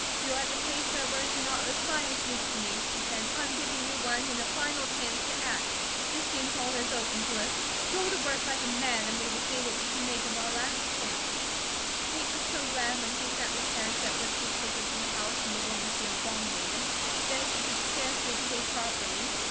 "You're at the place where words are not of the slightest use to me," she said. "I'm giving you one, and a final chance to ACT. This seems all that is open to us. Go to work like a man, and we will see what we can make of our last chance." Kate was so glad when she sat in the carriage that was to take her from the house and the woman she abominated that she could scarcely behave properly.